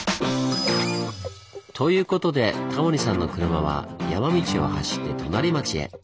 ということでタモリさんの車は山道を走って隣町へ。